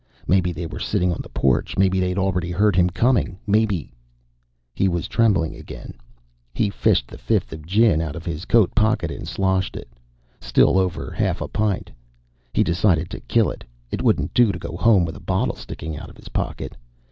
Maybe they were sitting on the porch. Maybe they'd already heard him coming. Maybe ... He was trembling again. He fished the fifth of gin out of his coat pocket and sloshed it. Still over half a pint. He decided to kill it. It wouldn't do to go home with a bottle sticking out of his pocket.